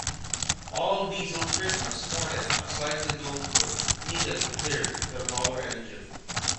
All Diesel Prismas sported a sightly domed hood, needed to clear the taller engine.